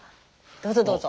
どうぞどうぞ。